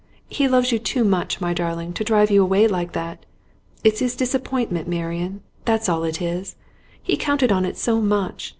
He loves you too much, my darling, to drive you away like that. It's his disappointment, Marian; that's all it is. He counted on it so much.